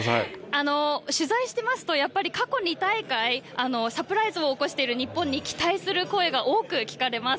取材してますと、やっぱり過去２大会、サプライズを起こしている日本に期待する声が多く聞かれます。